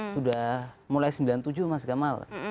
sudah mulai sembilan puluh tujuh mas gamal